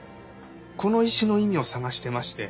この石の意味を探してまして。